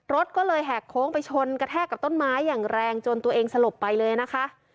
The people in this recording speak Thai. รถก็เลยแหกโค้งไปชนกระแทกกับต้นไม้อย่างแรงจนตัวเองสลบไปเลยนะคะ